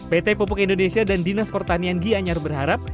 pt pupuk indonesia dan dinas pertanian gianyar berharap